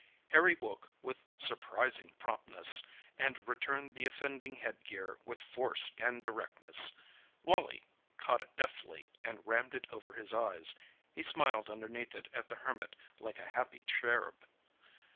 Harry woke up with surprising promptness, and returned the offending head gear with force and directness. Wally caught it deftly and rammed it over his eyes. He smiled underneath it at the Hermit like a happy cherub.